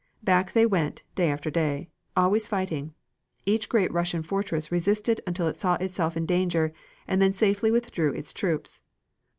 Back they went, day after day, always fighting; each great Russian fortress resisted until it saw itself in danger, and then safely withdrew its troops.